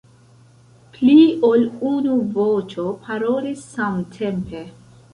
Pli ol unu voĉo parolis samtempe.